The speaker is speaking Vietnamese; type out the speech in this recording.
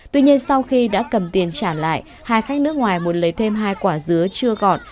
tuy nhiên sau khi đã cầm tiền trả lại hai khách nước ngoài muốn lấy thêm hai quả dứa chưa gọn